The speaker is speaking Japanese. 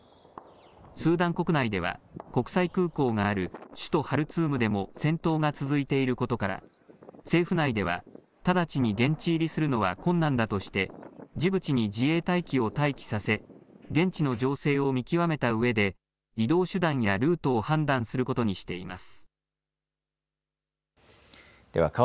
スーダン国内では国際空港がある首都ハルツームでも戦闘が続いていることから政府内では直ちに現地入りするのは困難だとしてジブチに自衛隊機を待機させ現地の情勢を見極めたうえで移動手段やルートを判断することにしています。